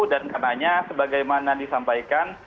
dan karena sebagaimana disampaikan